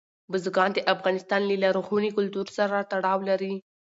بزګان د افغانستان له لرغوني کلتور سره تړاو لري.